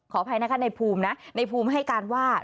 อภัยนะคะในภูมินะในภูมิให้การว่า